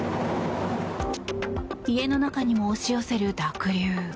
家の中にも押し寄せる濁流。